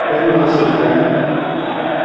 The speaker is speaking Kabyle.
Aru-yas i Tom!